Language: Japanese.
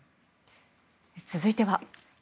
続いては。